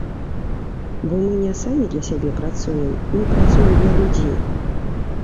Бо мы не самі для сябе працуем, мы працуем для людзей.